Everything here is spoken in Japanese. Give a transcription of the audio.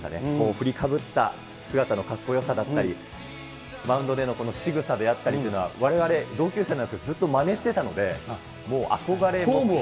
振りかぶった姿のかっこよさだったり、マウンドでのしぐさであったりとかっていうのは、われわれ同級生のやつがずっとまねしてたので、もう憧れ、目標。